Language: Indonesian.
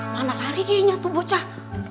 mana lari kayaknya tuh bocah